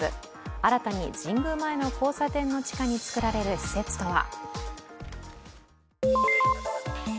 新たに神宮前の交差点の地下に造られる施設とは？